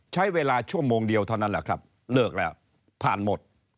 ใช้เวลาชั่วโมงเดียวเท่านั้นแหละครับเลิกแล้วผ่านหมด